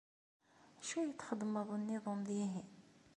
Acu i txedmeḍ-nniḍen dihin?